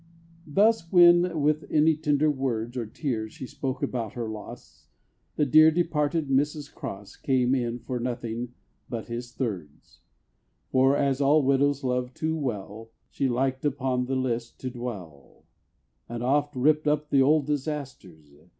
Thus, when with any tender words Or tears she spoke about her loss, The dear departed Mr. Cross Came in for nothing but his thirds; For, as all widows love too well, She liked upon the list to dwell, And oft ripped up the old disasters.